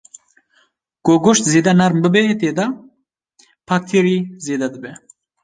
ku goşt zêde nerm bibe tê de bakterî zêde dibe